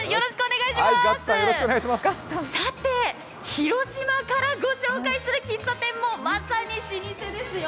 さて、広島からご紹介する喫茶店もまさに老舗ですよ。